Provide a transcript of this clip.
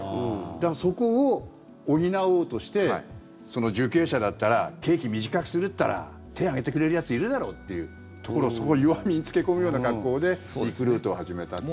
だから、そこを補おうとして受刑者だったら刑期短くするって言ったら手を上げてくれるやついるだろっていうところそこの弱みに付け込むような格好でリクルートを始めたっていう。